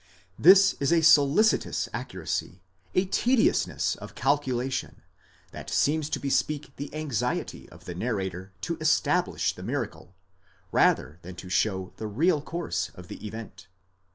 'This is a solicitous accuracy, a tediousness of calculation, that seems to bespeak the anxiety of the narrator to establish the miracle, rather than to show the real course of the event.